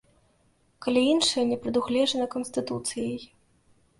Калі іншае не прадугледжана Канстытуцыяй.